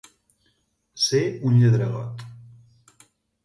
Ser un lladregot.